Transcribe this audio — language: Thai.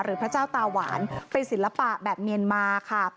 พระเจ้าตาหวานเป็นศิลปะแบบเมียนมาค่ะ